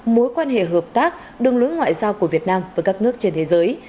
mối quan hệ hợp tác đường lối ngoại giao của việt nam với các nước trên thế giới